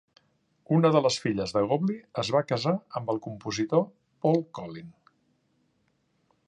Una de les filles de Gobley es va casar amb el compositor Paul Collin.